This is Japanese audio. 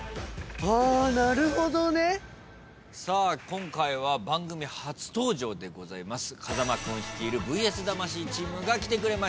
あなるほどね。今回は番組初登場でございます風間君率いるＶＳ魂チームが来てくれました。